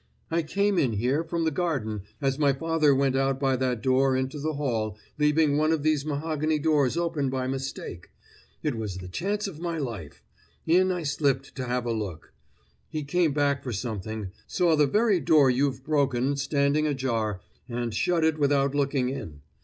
I came in here from the garden as my father went out by that door into the hall, leaving one of these mahogany doors open by mistake. It was the chance of my life; in I slipped to have a look. He came back for something, saw the very door you've broken standing ajar, and shut it without looking in.